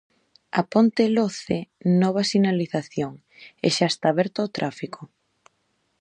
A ponte loce nova sinalización, e xa está aberta ao tráfico.